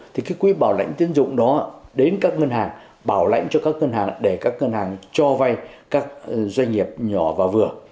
thì cái quỹ bảo lãnh tiến dụng đó đến các ngân hàng bảo lãnh cho các ngân hàng để các ngân hàng cho vay các doanh nghiệp nhỏ và vừa